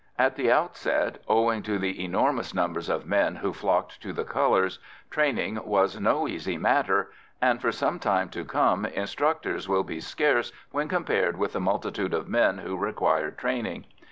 At the outset, owing to the enormous numbers of men who flocked to the colours, training was no easy matter, and for some time to come instructors will be scarce when compared with the multitude of men who require training.